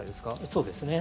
そうですね。